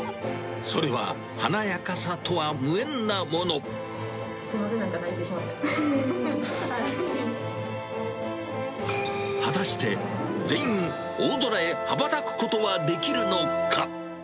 それは華やかさとは無縁なもすみません、なんか泣いてし果たして、全員、大空へはばたくことはできるのか。